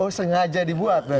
oh sengaja dibuat berarti